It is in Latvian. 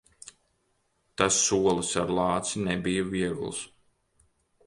Tas solis ar lāci nebija viegls.